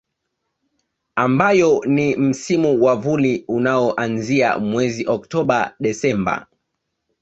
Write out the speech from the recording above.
Ambayo ni Msimu wa Vuli unaoanzia mwezi Oktoba Desemba